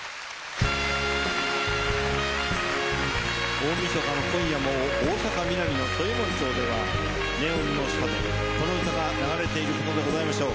大晦日の今夜も大阪ミナミの宗右衛門町ではネオンの下でこの歌が流れていることでございましょう。